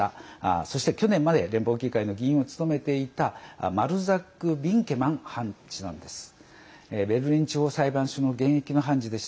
そして、去年まで連邦議会の議員を務めていたマルザック・ヴィンケマン判事です。